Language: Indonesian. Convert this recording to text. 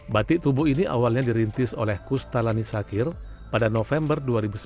batik tubuh ini awalnya dirintis oleh kustalani sakir pada november dua ribu sebelas